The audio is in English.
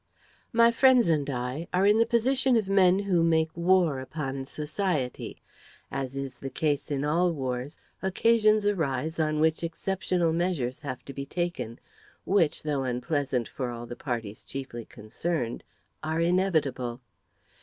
"My friends and I are in the position of men who make war upon society. As is the case in all wars, occasions arise on which exceptional measures have to be taken which, though unpleasant for all the parties chiefly concerned, are inevitable.